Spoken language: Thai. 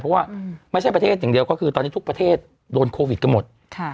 เพราะว่าไม่ใช่ประเทศอย่างเดียวก็คือตอนนี้ทุกประเทศโดนโควิดกันหมด